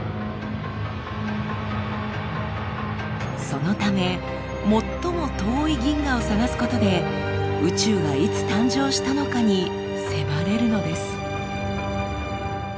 そのため最も遠い銀河を探すことで宇宙がいつ誕生したのかに迫れるのです。